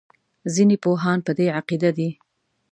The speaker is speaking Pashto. ځینې پوهان په دې عقیده دي.